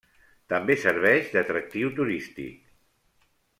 També serveix d'atractiu turístic.